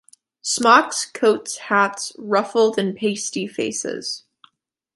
Smocks, coats, hats, ruffled and pasty faces.